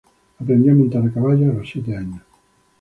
Aprendió a montar a caballo a los siete años.